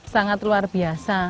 sangat luar biasa